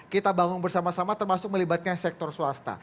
kita bangun bersama sama termasuk melibatkan sektor swasta